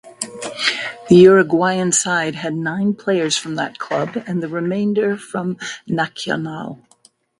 The Uruguayan side had nine players from that club and the remainder from Nacional.